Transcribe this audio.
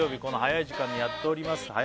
この早い時間にやっております